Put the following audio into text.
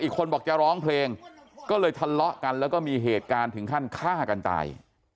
คนบอกจะร้องเพลงก็เลยทะเลาะกันแล้วก็มีเหตุการณ์ถึงขั้นฆ่ากันตาย